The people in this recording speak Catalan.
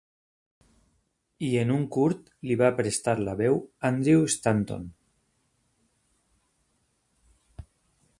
I en un curt li va prestar la veu Andrew Stanton.